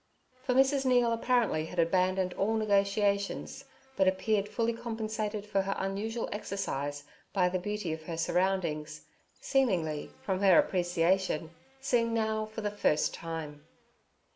For Mrs. Neal apparently had abandoned all negotiations, but appeared fully compensated for her unusual exercise by the beauty of her surroundings, seemingly, from her appreciation, seen now for the first time.